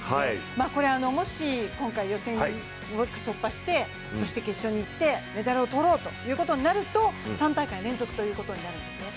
もし今回予選を突破して決勝に行ってメダルを取ろうということになると、３大会連続となるんですね。